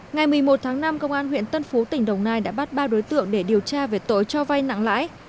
ngày một mươi một tháng năm công an huyện tân phú tỉnh đồng nai đã bắt ba đối tượng để điều tra về tội cho vay nặng lãi